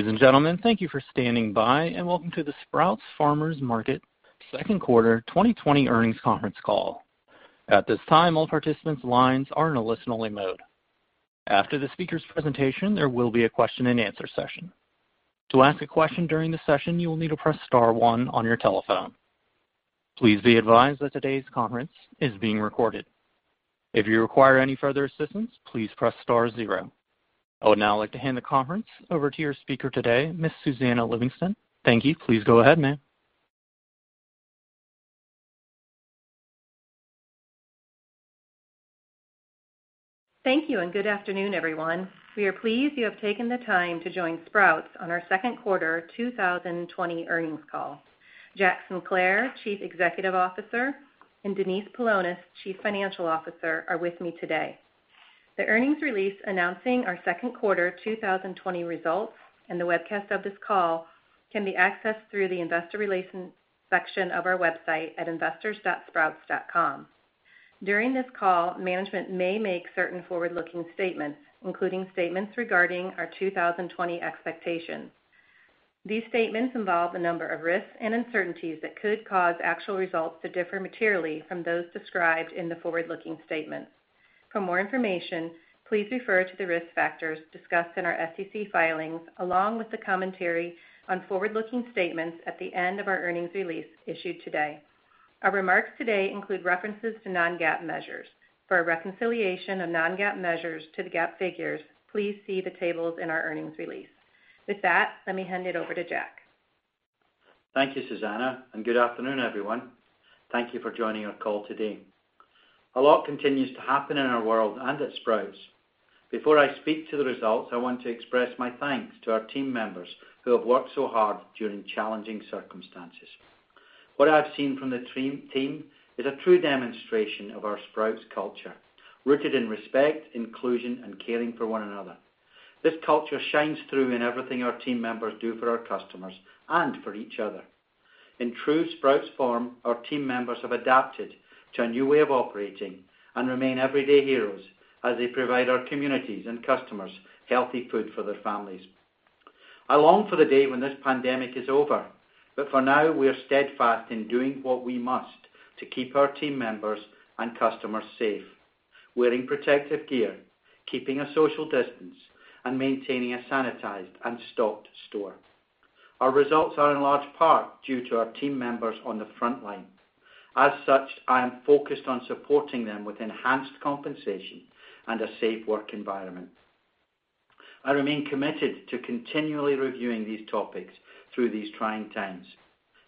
Ladies and gentlemen, thank you for standing by, and welcome to the Sprouts Farmers Market second quarter 2020 earnings conference call. At this time, all participants' lines are in a listen-only mode. After the speaker's presentation, there will be a question and answer session. To ask a question during the session, you will need to press star one on your telephone. Please be advised that today's conference is being recorded. If you require any further assistance, please press star zero. I would now like to hand the conference over to your speaker today, Ms. Susannah Livingston. Thank you. Please go ahead, ma'am. Thank you, and good afternoon, everyone. We are pleased you have taken the time to join Sprouts on our second quarter 2020 earnings call. Jack Sinclair, Chief Executive Officer, and Denise Paulonis, Chief Financial Officer, are with me today. The earnings release announcing our second quarter 2020 results and the webcast of this call can be accessed through the Investor Relations section of our website at investors.sprouts.com. During this call, management may make certain forward-looking statements, including statements regarding our 2020 expectations. These statements involve a number of risks and uncertainties that could cause actual results to differ materially from those described in the forward-looking statements. For more information, please refer to the risk factors discussed in our SEC filings, along with the commentary on forward-looking statements at the end of our earnings release issued today. Our remarks today include references to non-GAAP measures. For a reconciliation of non-GAAP measures to the GAAP figures, please see the tables in our earnings release. With that, let me hand it over to Jack. Thank you, Susannah. Good afternoon, everyone. Thank you for joining our call today. A lot continues to happen in our world and at Sprouts. Before I speak to the results, I want to express my thanks to our team members who have worked so hard during challenging circumstances. What I've seen from the team is a true demonstration of our Sprouts culture, rooted in respect, inclusion, and caring for one another. This culture shines through in everything our team members do for our customers and for each other. In true Sprouts form, our team members have adapted to a new way of operating and remain everyday heroes as they provide our communities and customers healthy food for their families. I long for the day when this pandemic is over. For now, we are steadfast in doing what we must to keep our team members and customers safe, wearing protective gear, keeping a social distance, and maintaining a sanitized and stocked store. Our results are in large part due to our team members on the frontline. As such, I am focused on supporting them with enhanced compensation and a safe work environment. I remain committed to continually reviewing these topics through these trying times.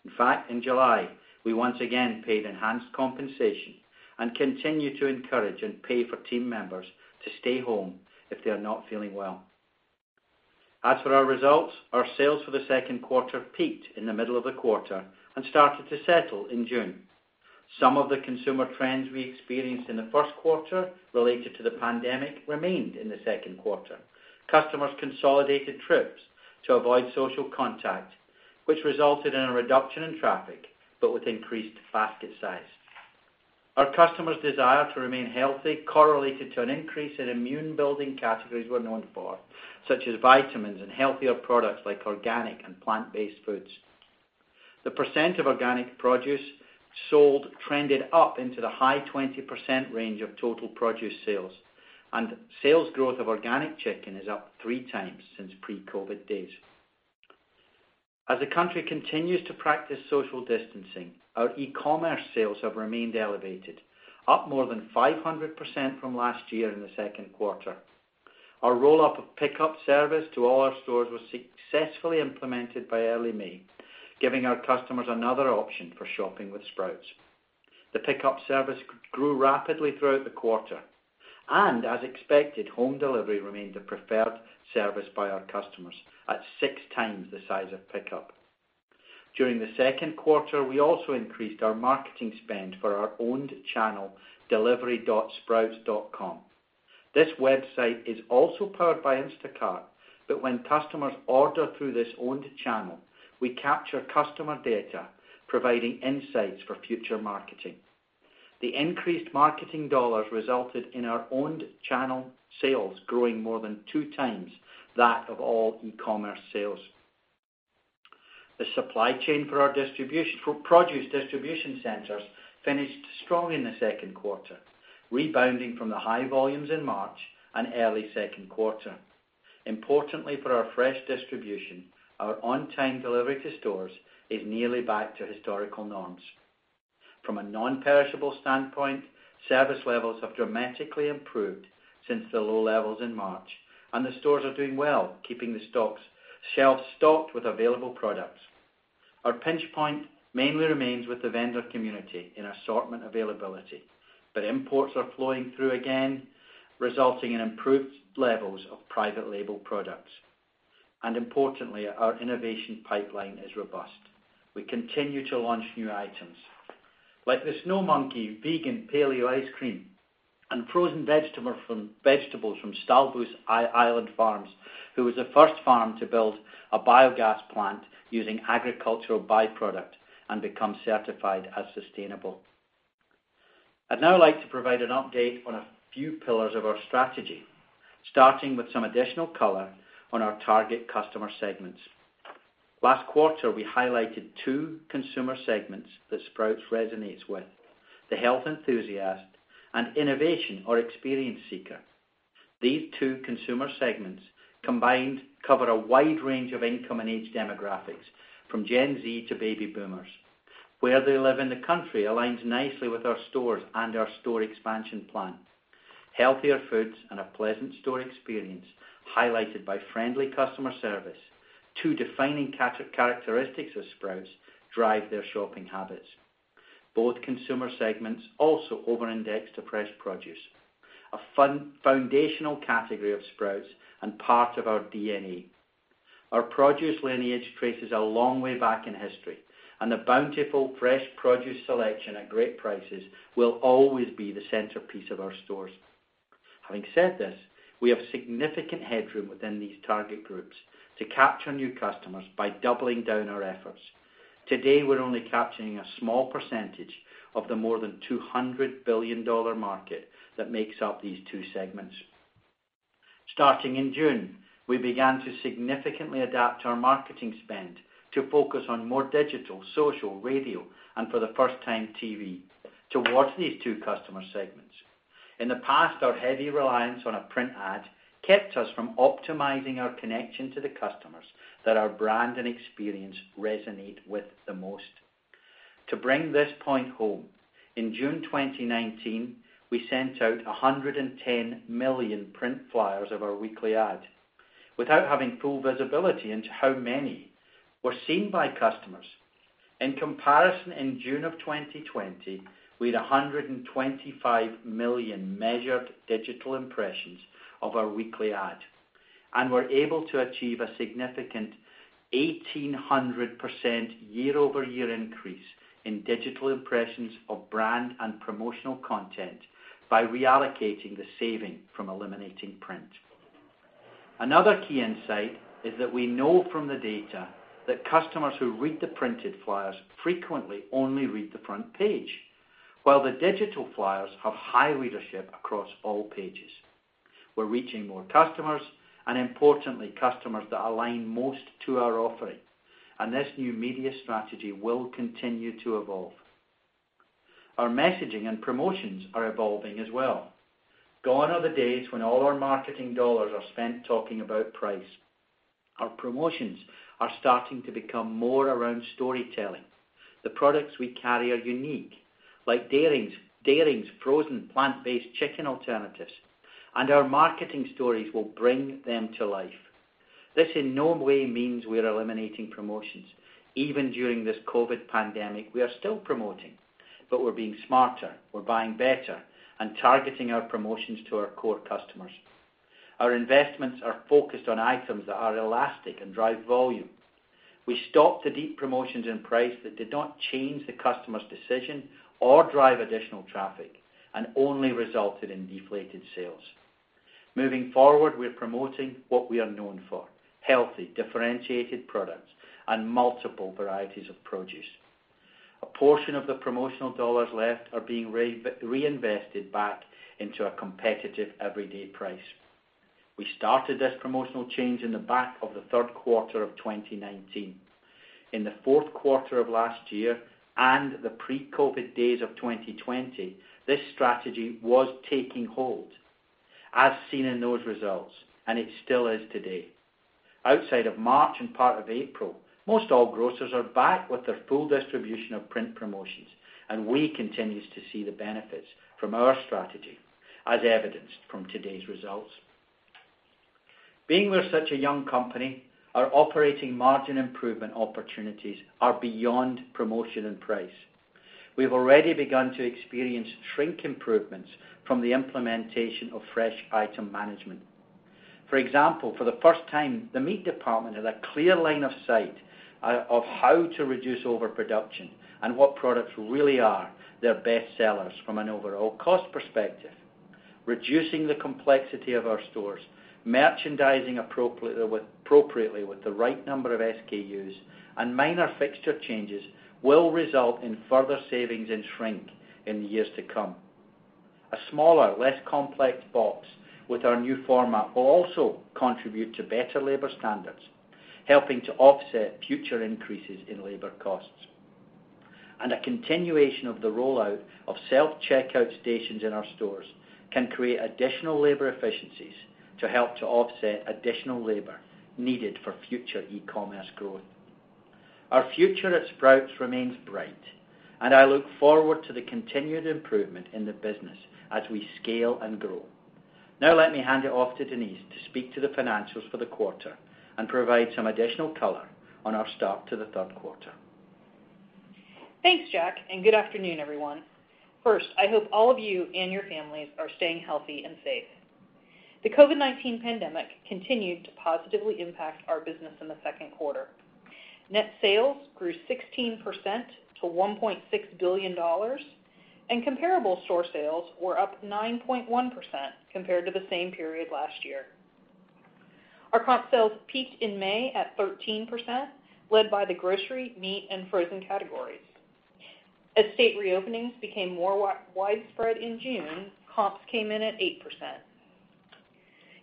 In fact, in July, we once again paid enhanced compensation and continue to encourage and pay for team members to stay home if they're not feeling well. As for our results, our sales for the second quarter peaked in the middle of the quarter and started to settle in June. Some of the consumer trends we experienced in the first quarter related to the pandemic remained in the second quarter. Customers consolidated trips to avoid social contact, which resulted in a reduction in traffic, but with increased basket size. Our customers' desire to remain healthy correlated to an increase in immune-building categories we're known for, such as vitamins and healthier products like organic and plant-based foods. The percent of organic produce sold trended up into the high 20% range of total produce sales, and sales growth of organic chicken is up three times since pre-COVID days. As the country continues to practice social distancing, our e-commerce sales have remained elevated, up more than 500% from last year in the second quarter. Our roll-up of pickup service to all our stores was successfully implemented by early May, giving our customers another option for shopping with Sprouts. The pickup service grew rapidly throughout the quarter. As expected, home delivery remained the preferred service by our customers at six times the size of pickup. During the second quarter, we also increased our marketing spend for our owned channel, delivery.sprouts.com. This website is also powered by Instacart. When customers order through this owned channel, we capture customer data, providing insights for future marketing. The increased marketing dollars resulted in our owned channel sales growing more than two times that of all e-commerce sales. The supply chain for our produce distribution centers finished strong in the second quarter, rebounding from the high volumes in March and early second quarter. Importantly for our fresh distribution, our on-time delivery to stores is nearly back to historical norms. From a non-perishable standpoint, service levels have dramatically improved since the low levels in March, and the stores are doing well keeping the shelves stocked with available products. Our pinch point mainly remains with the vendor community in assortment availability, but imports are flowing through again, resulting in improved levels of private label products. Importantly, our innovation pipeline is robust. We continue to launch new items like the Snow Monkey vegan paleo ice cream and frozen vegetables from Stahlbush Island Farms, who was the first farm to build a biogas plant using agricultural byproduct and become certified as sustainable. I'd now like to provide an update on a few pillars of our strategy, starting with some additional color on our target customer segments. Last quarter, we highlighted two consumer segments that Sprouts resonates with, the health enthusiast and innovation or experience seeker. These two consumer segments combined cover a wide range of income and age demographics, from Gen Z to Baby Boomers. Where they live in the country aligns nicely with our stores and our store expansion plan. Healthier foods and a pleasant store experience highlighted by friendly customer service, two defining characteristics of Sprouts, drive their shopping habits. Both consumer segments also over-index to fresh produce, a foundational category of Sprouts and part of our DNA. Our produce lineage traces a long way back in history, and the bountiful fresh produce selection at great prices will always be the centerpiece of our stores. Having said this, we have significant headroom within these target groups to capture new customers by doubling down our efforts. Today, we're only capturing a small percentage of the more than $200 billion market that makes up these two segments. Starting in June, we began to significantly adapt our marketing spend to focus on more digital, social, radio, and for the first time, TV towards these two customer segments. In the past, our heavy reliance on a print ad kept us from optimizing our connection to the customers that our brand and experience resonate with the most. To bring this point home, in June 2019, we sent out 110 million print flyers of our weekly ad without having full visibility into how many were seen by customers. In comparison, in June of 2020, we had 125 million measured digital impressions of our weekly ad and were able to achieve a significant 1,800% year-over-year increase in digital impressions of brand and promotional content by reallocating the saving from eliminating print. Another key insight is that we know from the data that customers who read the printed flyers frequently only read the front page, while the digital flyers have high readership across all pages. We're reaching more customers, and importantly, customers that align most to our offering, and this new media strategy will continue to evolve. Our messaging and promotions are evolving as well. Gone are the days when all our marketing dollars are spent talking about price. Our promotions are starting to become more around storytelling. The products we carry are unique, like Daring frozen plant-based chicken alternatives, and our marketing stories will bring them to life. This in no way means we're eliminating promotions. Even during this COVID pandemic, we are still promoting, but we're being smarter, we're buying better, and targeting our promotions to our core customers. Our investments are focused on items that are elastic and drive volume. We stopped the deep promotions in price that did not change the customer's decision or drive additional traffic and only resulted in deflated sales. Moving forward, we're promoting what we are known for, healthy, differentiated products and multiple varieties of produce. A portion of the promotional dollars left are being reinvested back into a competitive everyday price. We started this promotional change in the back of the third quarter of 2019. In the fourth quarter of last year and the pre-COVID days of 2020, this strategy was taking hold, as seen in those results, and it still is today. Outside of March and part of April, most all grocers are back with their full distribution of print promotions, and we continue to see the benefits from our strategy, as evidenced from today's results. Being we're such a young company, our operating margin improvement opportunities are beyond promotion and price. We've already begun to experience shrink improvements from the implementation of fresh item management. For example, for the first time, the meat department has a clear line of sight of how to reduce overproduction and what products really are their best sellers from an overall cost perspective. Reducing the complexity of our stores, merchandising appropriately with the right number of SKUs, and minor fixture changes will result in further savings and shrink in the years to come. A smaller, less complex box with our new format will also contribute to better labor standards, helping to offset future increases in labor costs. A continuation of the rollout of self-checkout stations in our stores can create additional labor efficiencies to help to offset additional labor needed for future e-commerce growth. Our future at Sprouts remains bright, and I look forward to the continued improvement in the business as we scale and grow. Now let me hand it off to Denise to speak to the financials for the quarter and provide some additional color on our start to the third quarter. Thanks, Jack, and good afternoon, everyone. First, I hope all of you and your families are staying healthy and safe. The COVID-19 pandemic continued to positively impact our business in the second quarter. Net sales grew 16% to $1.6 billion, and comparable store sales were up 9.1% compared to the same period last year. Our comp sales peaked in May at 13%, led by the grocery, meat, and frozen categories. As state reopenings became more widespread in June, comps came in at 8%.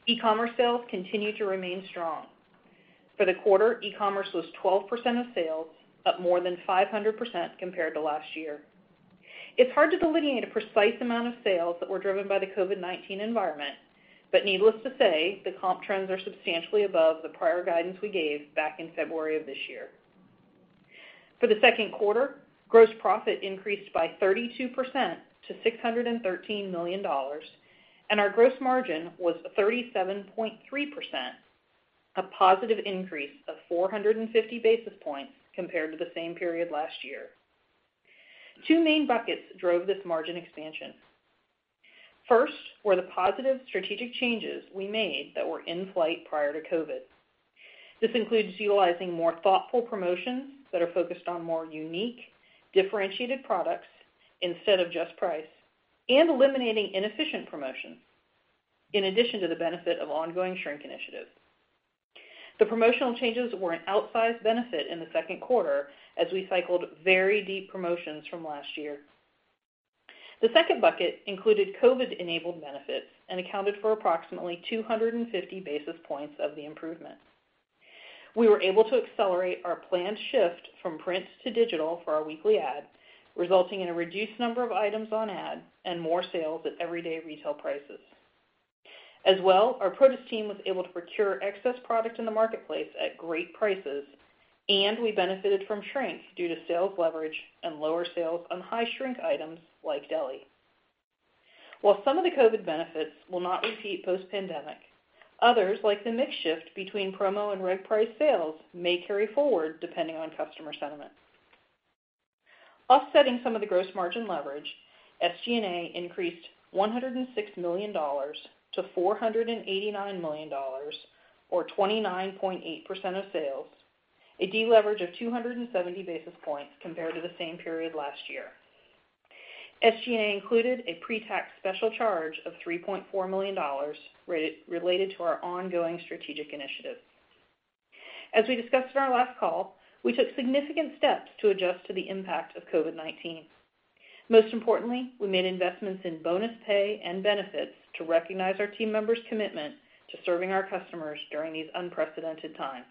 E-commerce sales continue to remain strong. For the quarter, e-commerce was 12% of sales, up more than 500% compared to last year. It's hard to delineate a precise amount of sales that were driven by the COVID-19 environment, but needless to say, the comp trends are substantially above the prior guidance we gave back in February of this year. For the second quarter, gross profit increased by 32% to $613 million. Our gross margin was 37.3%, a positive increase of 450 basis points compared to the same period last year. Two main buckets drove this margin expansion. First were the positive strategic changes we made that were in flight prior to COVID. This includes utilizing more thoughtful promotions that are focused on more unique, differentiated products instead of just price, and eliminating inefficient promotions, in addition to the benefit of ongoing shrink initiatives. The promotional changes were an outsized benefit in the second quarter, as we cycled very deep promotions from last year. The second bucket included COVID-enabled benefits and accounted for approximately 250 basis points of the improvement. We were able to accelerate our planned shift from print to digital for our weekly ad, resulting in a reduced number of items on ad and more sales at everyday retail prices. Our produce team was able to procure excess product in the marketplace at great prices, and we benefited from shrink due to sales leverage and lower sales on high shrink items like deli. While some of the COVID benefits will not repeat post-pandemic, others, like the mix shift between promo and reg price sales, may carry forward depending on customer sentiment. Offsetting some of the gross margin leverage, SG&A increased $106 million to $489 million, or 29.8% of sales, a deleverage of 270 basis points compared to the same period last year. SG&A included a pre-tax special charge of $3.4 million related to our ongoing strategic initiatives. As we discussed on our last call, we took significant steps to adjust to the impact of COVID-19. Most importantly, we made investments in bonus pay and benefits to recognize our team members' commitment to serving our customers during these unprecedented times.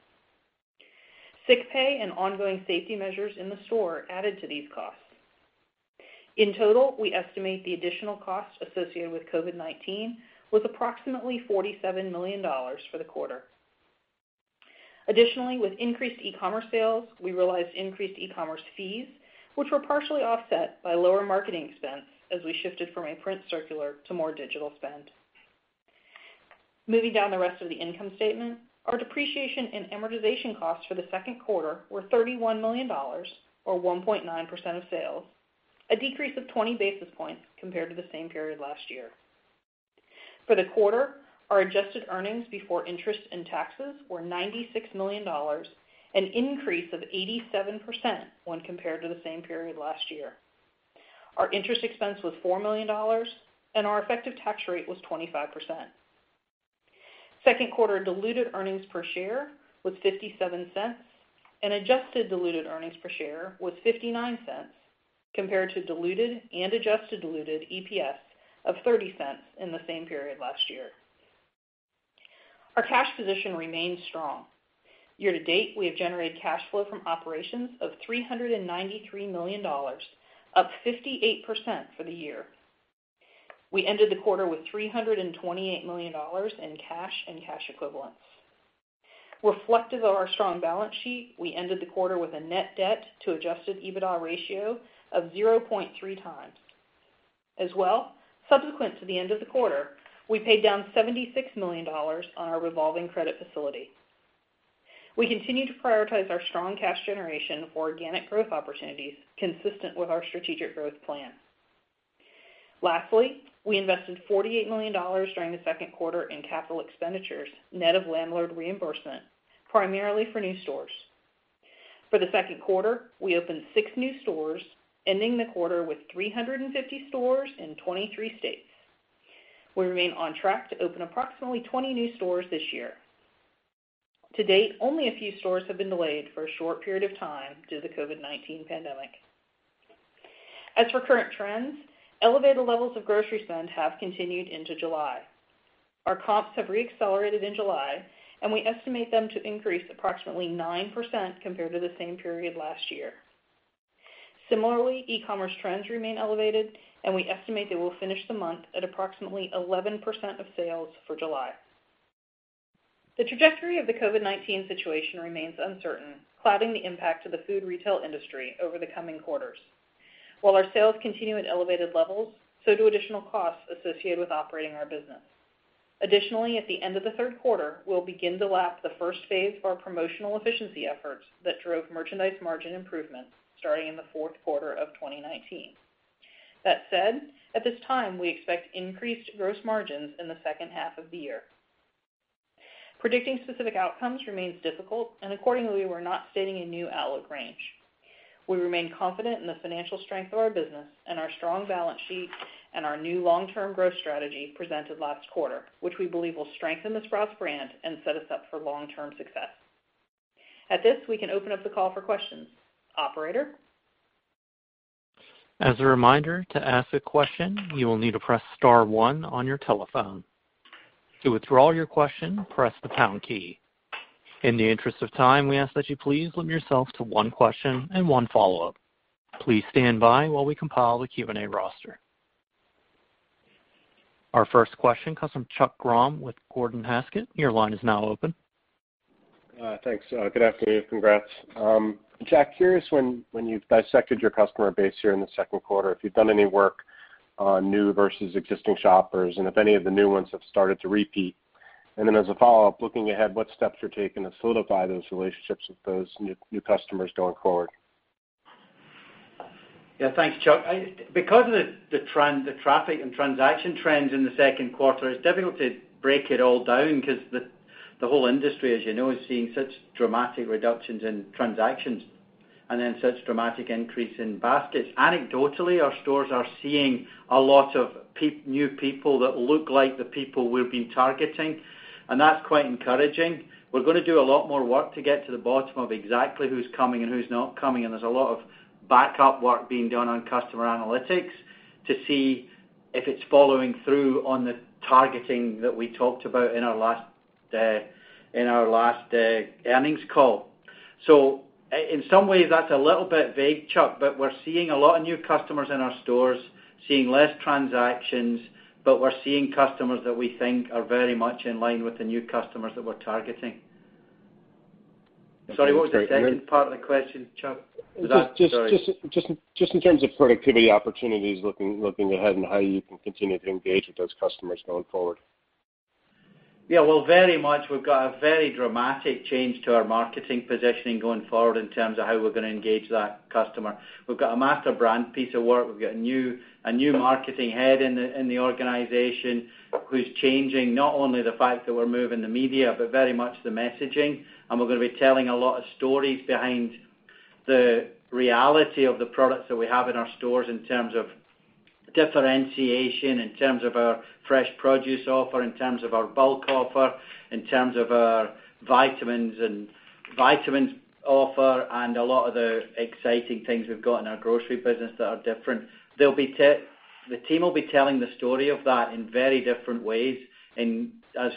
Sick pay and ongoing safety measures in the store added to these costs. In total, we estimate the additional cost associated with COVID-19 was approximately $47 million for the quarter. Additionally, with increased e-commerce sales, we realized increased e-commerce fees, which were partially offset by lower marketing expense as we shifted from a print circular to more digital spend. Moving down the rest of the income statement, our depreciation and amortization costs for the second quarter were $31 million, or 1.9% of sales, a decrease of 20 basis points compared to the same period last year. For the quarter, our adjusted earnings before interest and taxes were $96 million, an increase of 87% when compared to the same period last year. Our interest expense was $4 million, and our effective tax rate was 25%. Second quarter diluted earnings per share was $0.57, and adjusted diluted earnings per share was $0.59, compared to diluted and adjusted diluted EPS of $0.30 in the same period last year. Our cash position remains strong. Year-to-date, we have generated cash flow from operations of $393 million, up 58% for the year. We ended the quarter with $328 million in cash and cash equivalents. Reflective of our strong balance sheet, we ended the quarter with a net debt to adjusted EBITDA ratio of 0.3x. Subsequent to the end of the quarter, we paid down $76 million on our revolving credit facility. We continue to prioritize our strong cash generation for organic growth opportunities consistent with our strategic growth plan. Lastly, we invested $48 million during the second quarter in capital expenditures net of landlord reimbursement, primarily for new stores. For the second quarter, we opened six new stores, ending the quarter with 350 stores in 23 states. We remain on track to open approximately 20 new stores this year. To date, only a few stores have been delayed for a short period of time due to the COVID-19 pandemic. As for current trends, elevated levels of grocery spend have continued into July. Our comps have re-accelerated in July, and we estimate them to increase approximately 9% compared to the same period last year. Similarly, e-commerce trends remain elevated, and we estimate they will finish the month at approximately 11% of sales for July. The trajectory of the COVID-19 situation remains uncertain, clouding the impact to the food retail industry over the coming quarters. While our sales continue at elevated levels, so do additional costs associated with operating our business. Additionally, at the end of the third quarter, we'll begin to lap the first phase of our promotional efficiency efforts that drove merchandise margin improvements starting in the fourth quarter of 2019. That said, at this time, we expect increased gross margins in the second half of the year. Predicting specific outcomes remains difficult, and accordingly, we're not stating a new outlook range. We remain confident in the financial strength of our business and our strong balance sheet and our new long-term growth strategy presented last quarter, which we believe will strengthen the Sprouts brand and set us up for long-term success. At this, we can open up the call for questions. Operator? As a reminder, to ask a question, you will need to press star one on your telephone. To withdraw your question, press the pound key. In the interest of time, we ask that you please limit yourself to one question and one follow-up. Please stand by while we compile the Q&A roster. Our first question comes from Chuck Grom with Gordon Haskett. Your line is now open. Thanks. Good afternoon. Congrats. Jack, curious when you've dissected your customer base here in the second quarter, if you've done any work on new versus existing shoppers, and if any of the new ones have started to repeat. Then as a follow-up, looking ahead, what steps you're taking to solidify those relationships with those new customers going forward? Thanks, Chuck. Because of the traffic and transaction trends in the second quarter, it's difficult to break it all down because the whole industry, as you know, is seeing such dramatic reductions in transactions and then such dramatic increase in baskets. Anecdotally, our stores are seeing a lot of new people that look like the people we've been targeting, and that's quite encouraging. We're going to do a lot more work to get to the bottom of exactly who's coming and who's not coming, and there's a lot of backup work being done on customer analytics to see if it's following through on the targeting that we talked about in our last earnings call. In some ways, that's a little bit vague, Chuck, but we're seeing a lot of new customers in our stores, seeing less transactions, but we're seeing customers that we think are very much in line with the new customers that we're targeting. Sorry, what was the second part of the question, Chuck? In terms of productivity opportunities, looking ahead and how you can continue to engage with those customers going forward. Yeah. Well, very much, we've got a very dramatic change to our marketing positioning going forward in terms of how we're going to engage that customer. We've got a master brand piece of work. We've got a new marketing head in the organization who's changing not only the fact that we're moving the media, but very much the messaging, and we're going to be telling a lot of stories behind the reality of the products that we have in our stores in terms of differentiation, in terms of our fresh produce offer, in terms of our bulk offer, in terms of our vitamins offer, and a lot of the exciting things we've got in our grocery business that are different. The team will be telling the story of that in very different ways and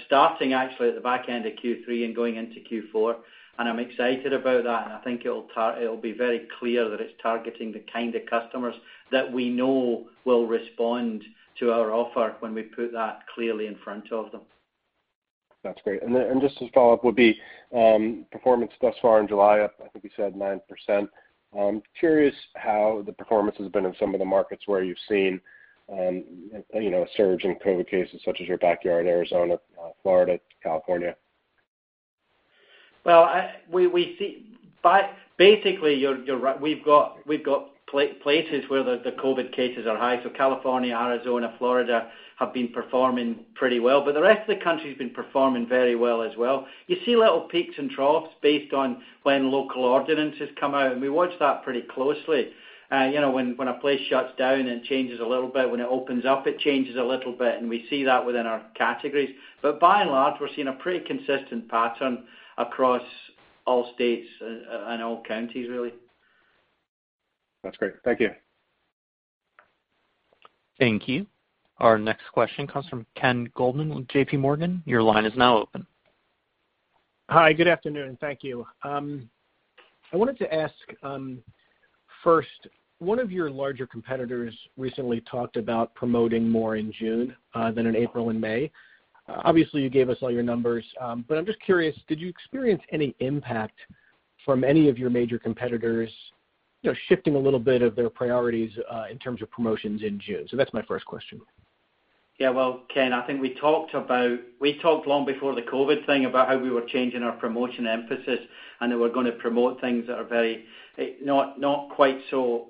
starting actually at the back end of Q3 and going into Q4, and I'm excited about that, and I think it'll be very clear that it's targeting the kind of customers that we know will respond to our offer when we put that clearly in front of them. That's great. Just as a follow-up would be performance thus far in July, up, I think you said 9%. I'm curious how the performance has been in some of the markets where you've seen a surge in COVID cases, such as your backyard, Arizona, Florida, California. Basically, you're right. We've got places where the COVID cases are high. California, Arizona, Florida have been performing pretty well, but the rest of the country's been performing very well as well. You see little peaks and troughs based on when local ordinances come out, and we watch that pretty closely. When a place shuts down, it changes a little bit. When it opens up, it changes a little bit, and we see that within our categories. By and large, we're seeing a pretty consistent pattern across all states and all counties, really. That's great. Thank you. Thank you. Our next question comes from Ken Goldman with J.P. Morgan. Your line is now open. Hi, good afternoon. Thank you. I wanted to ask first, one of your larger competitors recently talked about promoting more in June than in April and May. Obviously, you gave us all your numbers, but I'm just curious, did you experience any impact from any of your major competitors shifting a little bit of their priorities in terms of promotions in June? That's my first question. Well, Ken, I think we talked long before the COVID thing about how we were changing our promotion emphasis and that we're going to promote things that are not quite so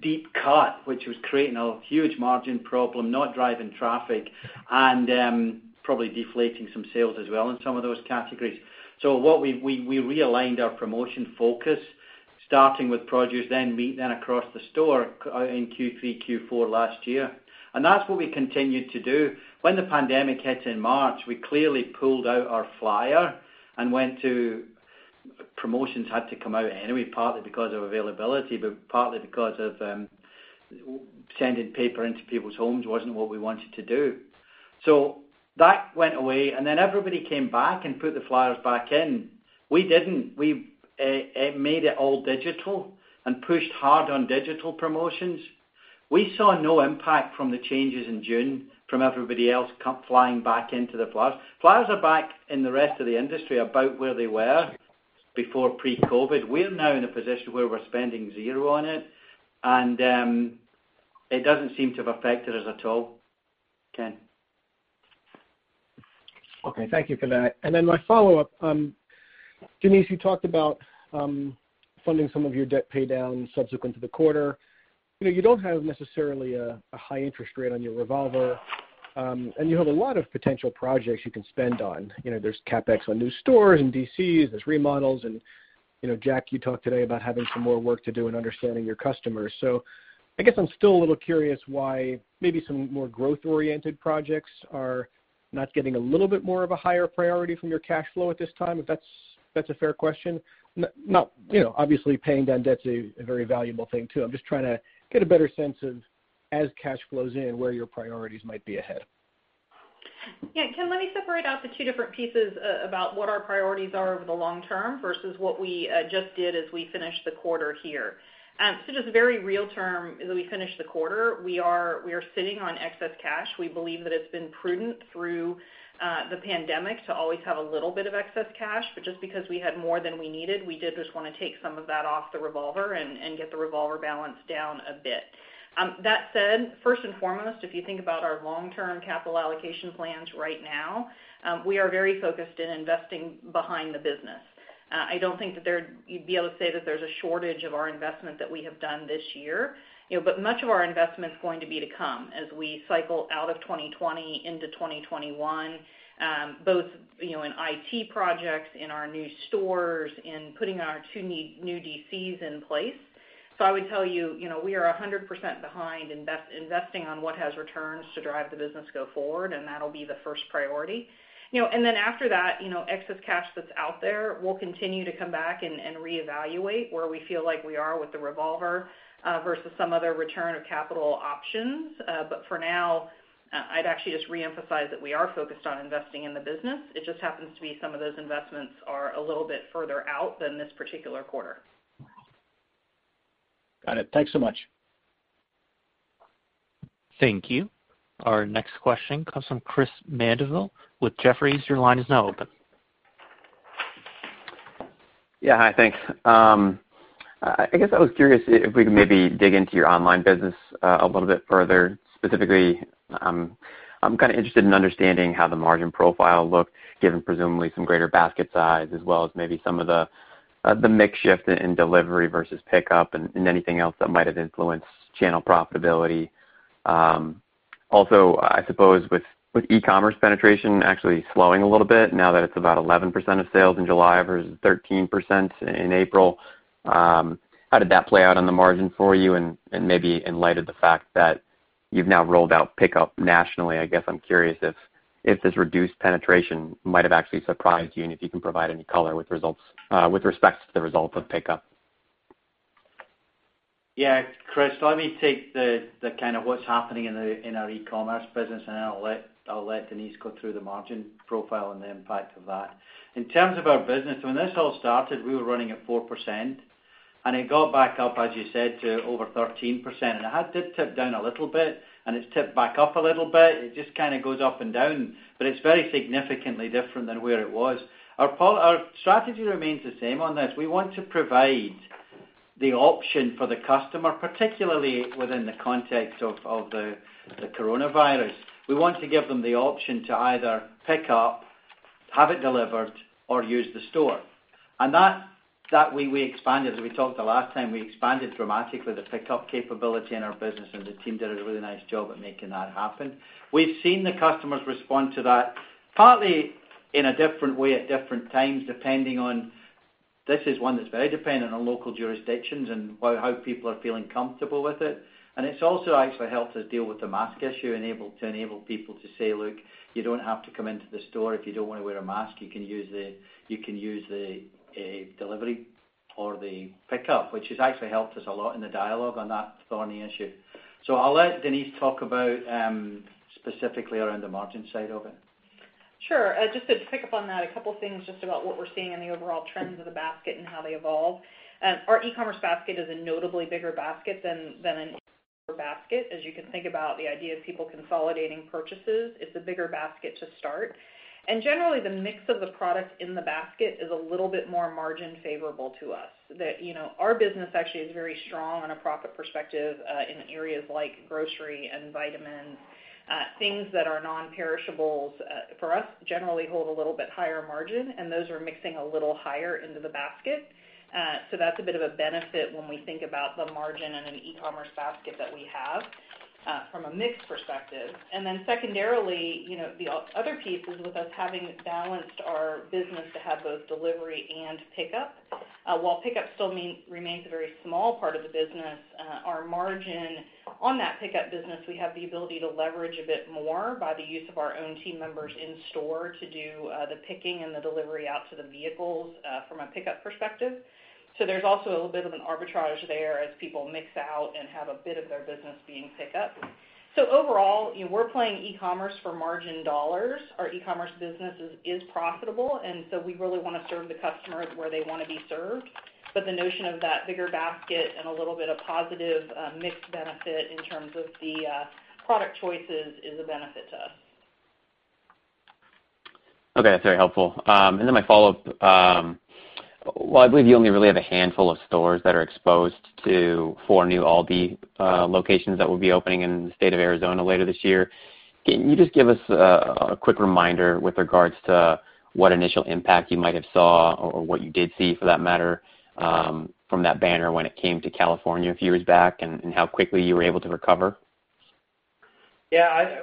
deep cut, which was creating a huge margin problem, not driving traffic, and probably deflating some sales as well in some of those categories. We realigned our promotion focus starting with produce, then meat, then across the store in Q3, Q4 last year, and that's what we continued to do. When the pandemic hit in March, we clearly pulled out our flyer and promotions had to come out anyway, partly because of availability, but partly because of sending paper into people's homes wasn't what we wanted to do. That went away, and then everybody came back and put the flyers back in. We didn't. We made it all digital and pushed hard on digital promotions. We saw no impact from the changes in June from everybody else flying back into the flyers. Flyers are back in the rest of the industry about where they were before pre-COVID. We're now in a position where we're spending zero on it, and it doesn't seem to have affected us at all, Ken. Okay. Thank you for that. My follow-up, Denise, you talked about funding some of your debt paydown subsequent to the quarter. You don't have necessarily a high interest rate on your revolver. You have a lot of potential projects you can spend on. There's CapEx on new stores and DCs, there's remodels and Jack, you talked today about having some more work to do in understanding your customers. I guess I'm still a little curious why maybe some more growth-oriented projects are not getting a little bit more of a higher priority from your cash flow at this time, if that's a fair question. Obviously, paying down debt is a very valuable thing too. I'm just trying to get a better sense of, as cash flows in, where your priorities might be ahead. Yeah. Ken, let me separate out the two different pieces about what our priorities are over the long term versus what we just did as we finished the quarter here. Just very real term, as we finish the quarter, we are sitting on excess cash. We believe that it's been prudent through the pandemic to always have a little bit of excess cash, but just because we had more than we needed, we did just want to take some of that off the revolver and get the revolver balance down a bit. That said, first and foremost, if you think about our long-term capital allocation plans right now, we are very focused in investing behind the business. I don't think that you'd be able to say that there's a shortage of our investment that we have done this year. Much of our investment's going to be to come as we cycle out of 2020 into 2021, both in IT projects, in our new stores, in putting our two new DCs in place. I would tell you, we are 100% behind investing on what has returns to drive the business go forward, and that'll be the first priority. Then after that, excess cash that's out there, we'll continue to come back and reevaluate where we feel like we are with the revolver, versus some other return of capital options. For now, I'd actually just reemphasize that we are focused on investing in the business. It just happens to be some of those investments are a little bit further out than this particular quarter. Got it. Thanks so much. Thank you. Our next question comes from Chris Mandeville with Jefferies. Your line is now open. Yeah. Hi, thanks. I guess I was curious if we could maybe dig into your online business a little bit further. Specifically, I'm kind of interested in understanding how the margin profile looked, given presumably some greater basket size as well as maybe some of the mix shift in delivery versus pickup and anything else that might have influenced channel profitability. I suppose with e-commerce penetration actually slowing a little bit now that it's about 11% of sales in July versus 13% in April, how did that play out on the margin for you and maybe in light of the fact that you've now rolled out pickup nationally, I guess I'm curious if this reduced penetration might have actually surprised you, and if you can provide any color with respect to the results of pickup. Yeah. Chris, let me take the kind of what's happening in our e-commerce business, and then I'll let Denise go through the margin profile and the impact of that. In terms of our business, when this all started, we were running at 4%, and it got back up, as you said, to over 13%. It did tip down a little bit, and it's tipped back up a little bit. It just kind of goes up and down, but it's very significantly different than where it was. Our strategy remains the same on this. We want to provide the option for the customer, particularly within the context of the coronavirus. We want to give them the option to either pick up, have it delivered, or use the store. That way, we expanded. As we talked the last time, we expanded dramatically the pickup capability in our business. The team did a really nice job at making that happen. We've seen the customers respond to that, partly in a different way at different times, depending on. This is one that's very dependent on local jurisdictions and how people are feeling comfortable with it. It's also actually helped us deal with the mask issue to enable people to say, "Look, you don't have to come into the store if you don't want to wear a mask." You can use the delivery or the pickup, which has actually helped us a lot in the dialogue on that thorny issue. I'll let Denise talk about specifically around the margin side of it. Sure. Just to pick up on that, a couple things just about what we're seeing in the overall trends of the basket and how they evolve. Our e-commerce basket is a notably bigger basket than a basket. As you can think about the idea of people consolidating purchases, it's a bigger basket to start. Generally, the mix of the products in the basket is a little bit more margin favorable to us. Our business actually is very strong on a profit perspective, in areas like grocery and vitamins. Things that are non-perishables, for us, generally hold a little bit higher margin, and those are mixing a little higher into the basket. That's a bit of a benefit when we think about the margin in an e-commerce basket that we have, from a mix perspective. Secondarily, the other piece is with us having balanced our business to have both delivery and pickup. While pickup still remains a very small part of the business, our margin on that pickup business, we have the ability to leverage a bit more by the use of our own team members in store to do the picking and the delivery out to the vehicles, from a pickup perspective. There's also a little bit of an arbitrage there as people mix out and have a bit of their business being pickup. Overall, we're playing e-commerce for margin dollars. Our e-commerce business is profitable, we really want to serve the customers where they want to be served. The notion of that bigger basket and a little bit of positive mix benefit in terms of the product choices is a benefit to us. Okay, that's very helpful. Then my follow-up. Well, I believe you only really have a handful of stores that are exposed to four new ALDI locations that will be opening in the state of Arizona later this year. Can you just give us a quick reminder with regards to what initial impact you might have saw, or what you did see, for that matter, from that banner when it came to California a few years back, and how quickly you were able to recover? Yeah.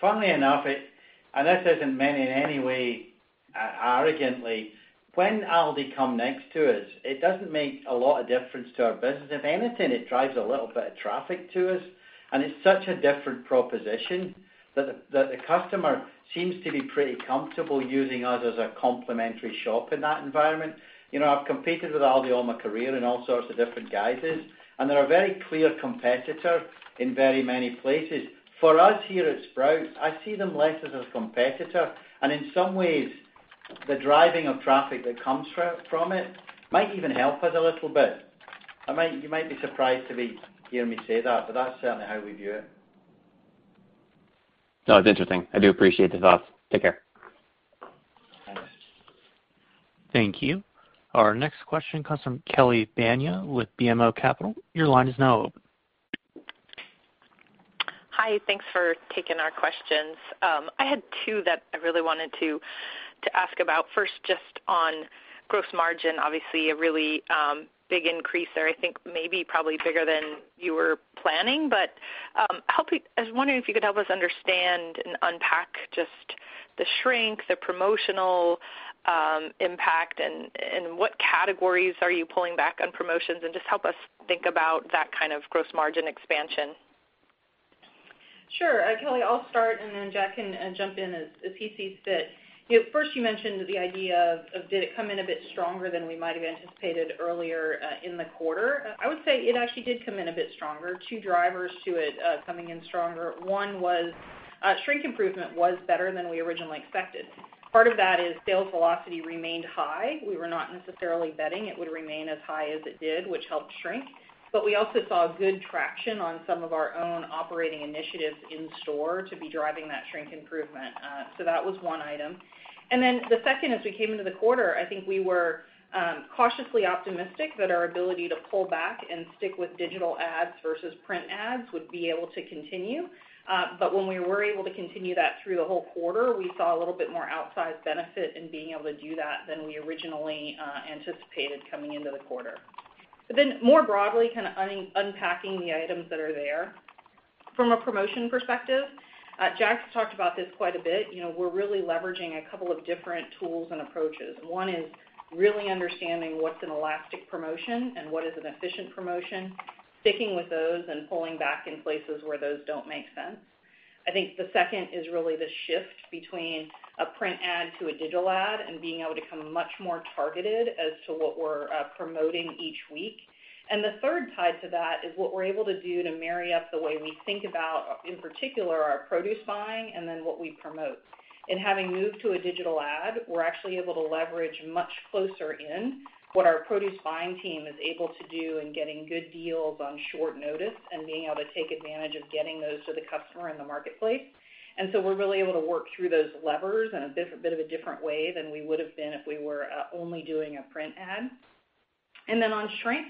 Funnily enough, this isn't meant in any way arrogantly, when ALDI come next to us, it doesn't make a lot of difference to our business. If anything, it drives a little bit of traffic to us. It's such a different proposition that the customer seems to be pretty comfortable using us as a complementary shop in that environment. I've competed with ALDI all my career in all sorts of different guises. They're a very clear competitor in very many places. For us here at Sprouts, I see them less as a competitor and, in some ways, the driving of traffic that comes from it might even help us a little bit. You might be surprised to hear me say that. That's certainly how we view it. No, it's interesting. I do appreciate the thoughts. Take care. Thank you. Our next question comes from Kelly Bania with BMO Capital. Your line is now open. Hi. Thanks for taking our questions. I had two that I really wanted to ask about. First, just on gross margin. Obviously, a really big increase there, I think maybe probably bigger than you were planning. But I was wondering if you could help us understand and unpack just the shrink, the promotional impact, and what categories are you pulling back on promotions, and just help us think about that kind of gross margin expansion. Sure. Kelly, I'll start. Then Jack can jump in as he sees fit. First, you mentioned the idea of, did it come in a bit stronger than we might've anticipated earlier in the quarter? I would say it actually did come in a bit stronger. Two drivers to it coming in stronger. One was shrink improvement was better than we originally expected. Part of that is sales velocity remained high. We were not necessarily betting it would remain as high as it did, which helped shrink. We also saw good traction on some of our own operating initiatives in store to be driving that shrink improvement. That was one item. Then the second, as we came into the quarter, I think we were cautiously optimistic that our ability to pull back and stick with digital ads versus print ads would be able to continue. When we were able to continue that through the whole quarter, we saw a little bit more outsized benefit in being able to do that than we originally anticipated coming into the quarter. More broadly, kind of unpacking the items that are there. From a promotion perspective, Jack's talked about this quite a bit. We're really leveraging a couple of different tools and approaches. One is really understanding what's an elastic promotion and what is an efficient promotion, sticking with those and pulling back in places where those don't make sense. I think the second is really the shift between a print ad to a digital ad and being able to become much more targeted as to what we're promoting each week. The third tie to that is what we're able to do to marry up the way we think about, in particular, our produce buying and then what we promote. In having moved to a digital ad, we're actually able to leverage much closer in what our produce buying team is able to do in getting good deals on short notice and being able to take advantage of getting those to the customer in the marketplace. We're really able to work through those levers in a bit of a different way than we would've been if we were only doing a print ad. On shrink,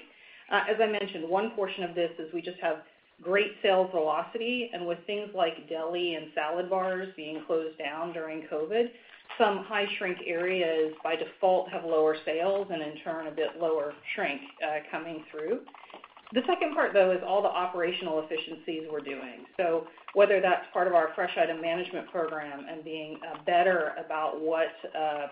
as I mentioned, one portion of this is we just have great sales velocity, and with things like deli and salad bars being closed down during COVID, some high shrink areas by default have lower sales and in turn, a bit lower shrink coming through. The second part, though, is all the operational efficiencies we're doing. Whether that's part of our Fresh Item Management Program and being better about what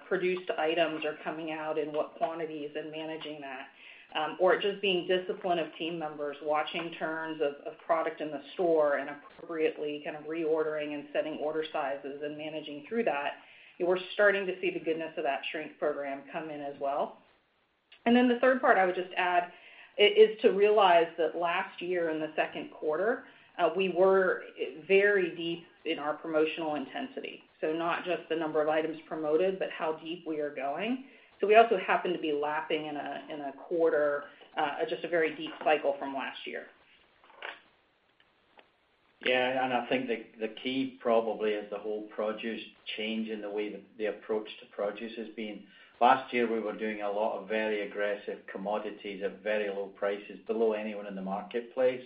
produced items are coming out in what quantities and managing that. It just being discipline of team members watching turns of product in the store and appropriately kind of reordering and setting order sizes and managing through that. We're starting to see the goodness of that shrink program come in as well. The third part I would just add is to realize that last year in the second quarter, we were very deep in our promotional intensity. Not just the number of items promoted, but how deep we are going. We also happen to be lapping in a quarter, just a very deep cycle from last year. Yeah, I think the key probably is the whole produce change in the way that the approach to produce has been. Last year, we were doing a lot of very aggressive commodities at very low prices below anyone in the marketplace.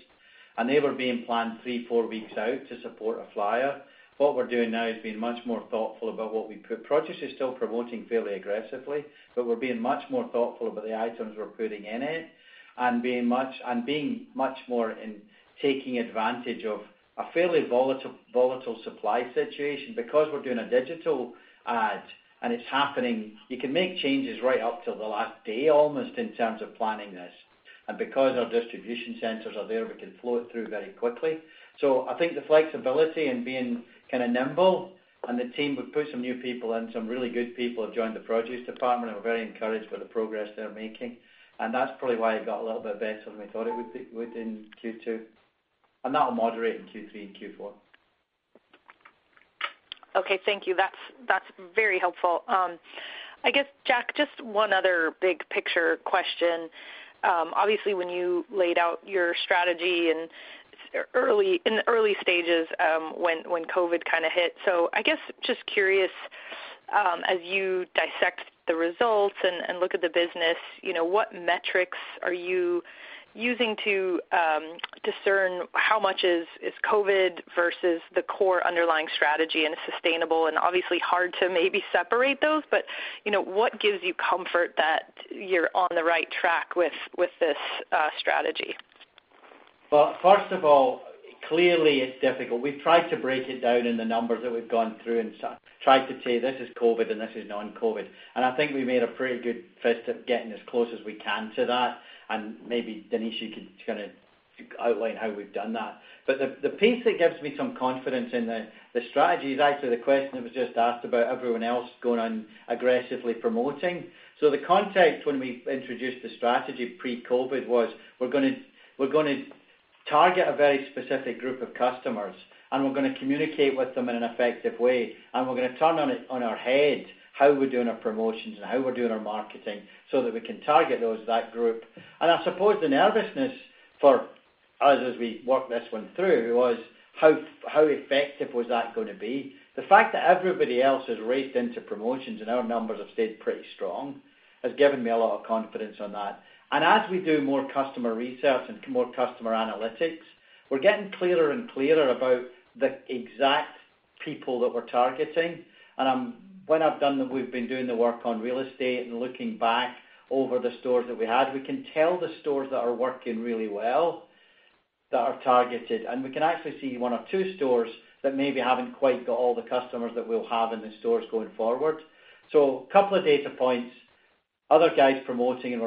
They were being planned three, four weeks out to support a flyer. What we're doing now is being much more thoughtful about what we put. Produce is still promoting fairly aggressively, but we're being much more thoughtful about the items we're putting in it and being much more in taking advantage of a fairly volatile supply situation. We're doing a digital ad and it's happening, you can make changes right up till the last day almost in terms of planning this. Because our distribution centers are there, we can flow it through very quickly. I think the flexibility and being kind of nimble and the team, we've put some new people in, some really good people have joined the produce department, and we're very encouraged by the progress they're making. That's probably why it got a little bit better than we thought it would be within Q2. That'll moderate in Q3 and Q4. Okay. Thank you. That's very helpful. I guess, Jack, just one other big picture question. Obviously, when you laid out your strategy in the early stages when COVID kind of hit. I guess just curious, as you dissect the results and look at the business, what metrics are you using to discern how much is COVID versus the core underlying strategy and is sustainable and obviously hard to maybe separate those, but what gives you comfort that you're on the right track with this strategy? First of all, clearly it's difficult. We've tried to break it down in the numbers that we've gone through and tried to say, "This is COVID and this is non-COVID." I think we made a pretty good fist at getting as close as we can to that, and maybe Denise, you could outline how we've done that. The piece that gives me some confidence in the strategy is actually the question that was just asked about everyone else going on aggressively promoting. The context when we introduced the strategy pre-COVID was we're going to target a very specific group of customers, and we're going to communicate with them in an effective way, and we're going to turn on our head how we're doing our promotions and how we're doing our marketing so that we can target that group. I suppose the nervousness for us as we worked this one through was how effective was that going to be. The fact that everybody else has raced into promotions and our numbers have stayed pretty strong has given me a lot of confidence on that. As we do more customer research and more customer analytics, we're getting clearer and clearer about the exact people that we're targeting. When we've been doing the work on real estate and looking back over the stores that we had, we can tell the stores that are working really well, that are targeted, and we can actually see one or two stores that maybe haven't quite got all the customers that we'll have in the stores going forward. A couple of data points, other guys promoting and